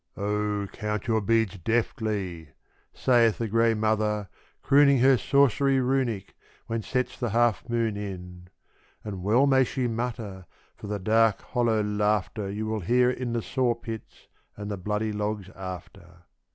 "Oh, count your beads deftly," saith the grey mother, crooning Her sorcery runic, when sets the half moon in. And well may she mutter, for the dark, hollow laughter You will hear in the sawpits and the bloody logs after.